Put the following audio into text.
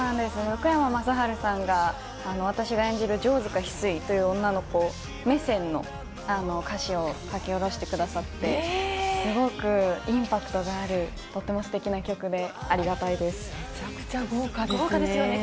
福山雅治さんが、私が演じる城塚翡翠という女の子目線の歌詞を書き下ろしてくださって、すごくインパクトがある、とってもすてきな曲で、ありがたむちゃくちゃ豪華ですね。